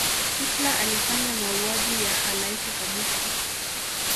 hitler alifanya mauaji ya halaiki kabisa